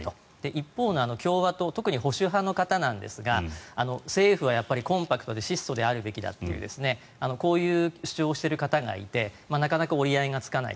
一方で、共和党特に保守派の方なんですが政府はコンパクトで質素であるべきだというこういう主張をしている方がいてなかなか折り合いがつかない。